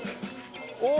おお。